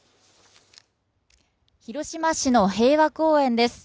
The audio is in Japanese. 広島市の平和公園です